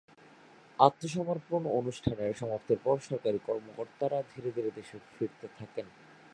আত্মসমর্পণ অনুষ্ঠানের সমাপ্তির পর সরকারি কর্মকর্তারা ধীরে ধীরে দেশে ফিরতে থাকেন।